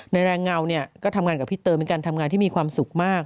แรงเงาเนี่ยก็ทำงานกับพี่เตยเหมือนกันทำงานที่มีความสุขมาก